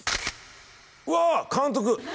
うわ監督！